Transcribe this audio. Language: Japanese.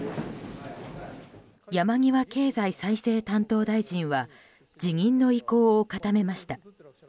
山際経済再生担当大臣が辞任の意向を固めました。